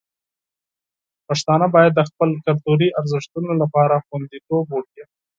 پښتانه باید د خپلو کلتوري ارزښتونو لپاره خوندیتوب وکړي.